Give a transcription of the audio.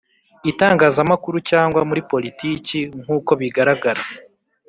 itangazamakuru cyangwa muri politiki nkuko bigaragara